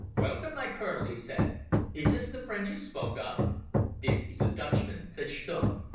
"Welcome, my Colonel," he said. "Is this the friend you spoke of?" "This is the Dutchman," said Stumm.